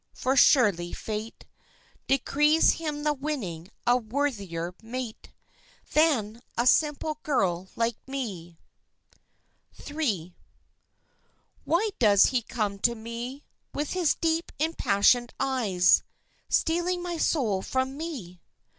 for surely Fate Decrees him the winning a worthier mate Than a simple girl like me! III. Why does he come to me, With his deep, impassioned eyes, Stealing my soul from me?